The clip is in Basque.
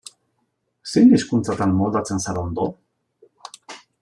Zein hizkuntzatan moldatzen zara ondo?